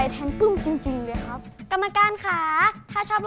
สู้ครับ